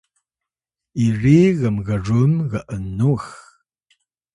iriy gmgrum g’nux